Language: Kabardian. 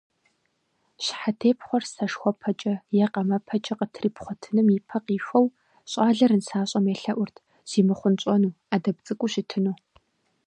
Щхьэтепхъуэр сэшхуэпэкӀэ е къамэпэкӀэ къытрипхъуэтыным ипэ къихуэу, щӀалэр нысащӀэм елъэӀурт, зимыхъунщӀэну, Ӏэдэб цӀыкӀуу щытыну.